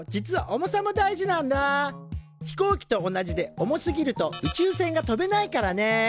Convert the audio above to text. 飛行機と同じで重すぎると宇宙船が飛べないからね。